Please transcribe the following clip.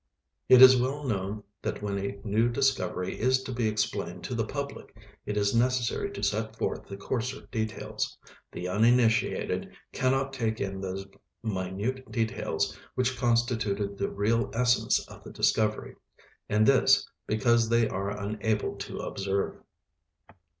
It is well known that when a new discovery is to be explained to the public, it is necessary to set forth the coarser details; the uninitiated cannot take in those minute details which constituted the real essence of the discovery. And this, because they are unable to observe.